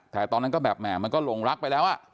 แต่ตอนนั้นก็แบบแหมมันก็หลงรักไปแล้ว